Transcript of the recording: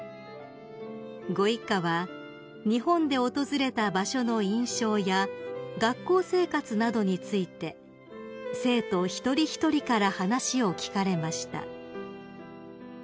［ご一家は日本で訪れた場所の印象や学校生活などについて生徒一人一人から話を聞かれました］